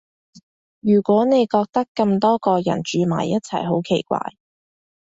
如果你覺得咁多個人住埋一齊好奇怪